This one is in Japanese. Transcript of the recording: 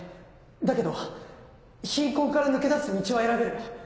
だけど貧困から抜け出す道は選べる。